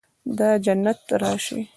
د جنت راشي